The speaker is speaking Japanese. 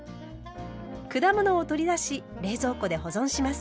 果物を取り出し冷蔵庫で保存します。